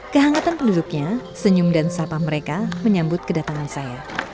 kehangatan penduduknya senyum dan sapa mereka menyambut kedatangan saya